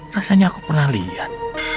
rasanya aku pernah lihat